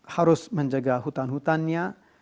harus menjaga hutan hutannya